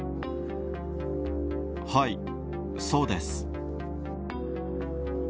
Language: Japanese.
はい、そうです。